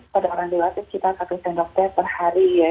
pada orang dewasa kita ke kakitang dokter perhari ya